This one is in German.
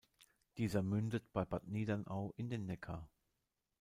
Dieser mündet bei Bad Niedernau in den Neckar.